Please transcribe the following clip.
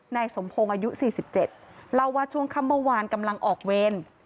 นายสมพงศ์อายุ๔๗เล่าว่าช่วงค่ำเมื่อวานกำลังออกเวร